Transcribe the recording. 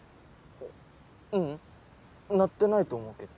ううん鳴ってないと思うけど。